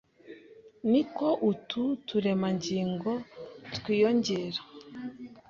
niko utu turemangingo twiyongera,